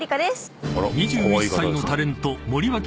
［２１歳のタレント］